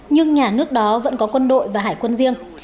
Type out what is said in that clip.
nhưng nhà nước đó vẫn có quân đội và hải quân riêng